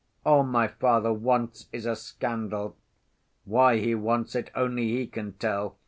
All my father wants is a scandal. Why he wants it only he can tell.